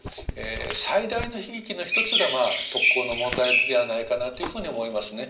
最大の悲劇の一つが特攻の問題ではないかなというふうに思いますね。